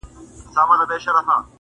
راځه، د یوه ورک روایت پل راپسې واخله